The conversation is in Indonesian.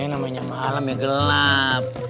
eh namanya malem ya gelap